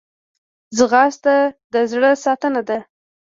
ځغاسته د زړه ساتنه ده